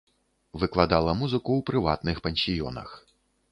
Выкладала музыку ў прыватных пансіёнах.